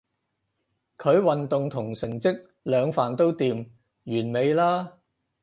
佢運動同成績兩瓣都掂，完美啦